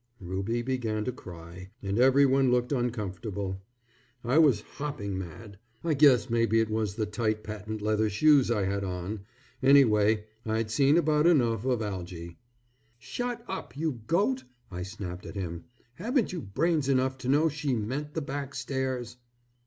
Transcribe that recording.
Ruby began to cry, and everyone looked uncomfortable. I was hopping mad. I guess maybe it was the tight patent leather shoes I had on. Anyway I'd seen about enough of Algy. "Shut up, you Goat," I snapped at him. "Haven't you brains enough to know she meant the back stairs!"